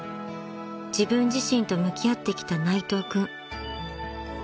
［自分自身と向き合ってきた内藤君］